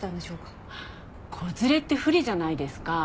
子連れって不利じゃないですか。